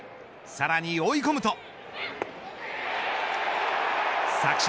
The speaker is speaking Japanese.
さらに追い込むと。